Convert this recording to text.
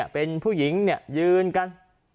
เป็นผู้หญิงยืนกัน